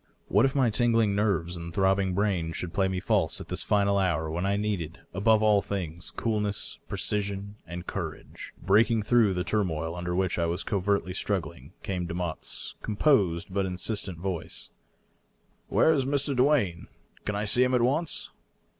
What if my tingling nerves and throbbing brain should play me false at this final hour when I needed, above all things, coolness, precision and courage ? DOUGLAS WANE, fil3 Breaking through the turmoil under which I was covertly strug . gling, came Demotte's composed but insistent voice :" Where is Mr. Duane? Can I see him at once?